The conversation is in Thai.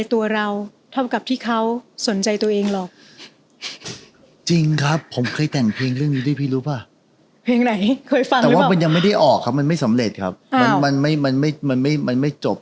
อาบน้ำนอนดูละครจบ